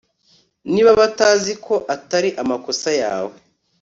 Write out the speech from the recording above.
niba batazi ko atari amakosa yawe